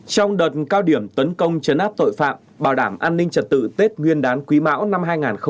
trong đợt cao điểm tấn công chấn áp tội phạm bảo đảm an ninh trật tự tết nguyên đán quý mão năm hai nghìn hai mươi bốn